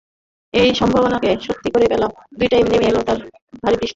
সেই সম্ভাবনাকে সত্যি করে বেলা দুইটায় নেমে এল এক পশলা ভারী বৃষ্টি।